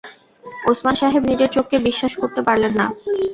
ওসমান সাহেব নিজের চোখকে বিশ্বাস করতে পারলেন না।